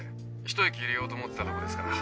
一息入れようと思ってたとこですから。